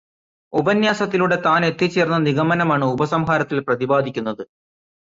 ഉപന്യാസത്തിലൂടെ താനെത്തിച്ചേർന്ന നിഗമനമാണ് ഉപസംഹാരത്തിൽ പ്രതിപാദിക്കുന്നത്.